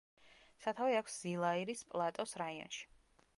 სათავე აქვს ზილაირის პლატოს რაიონში.